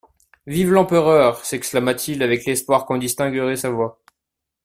Vive l'Empereur ! s'exclama-t-il, avec l'espoir qu'on distinguerait sa voix.